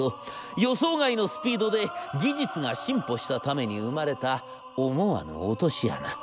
予想外のスピードで技術が進歩したために生まれた思わぬ落とし穴。